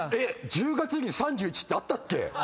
１０月に３１ってあったっけ